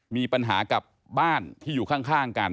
มีปัญหากับบ้านที่อยู่ข้างกัน